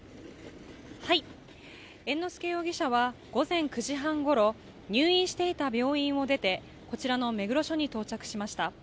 猿之助容疑者は午前９時半ごろ入院していた病院を出て、こちらの目黒署に到着しました。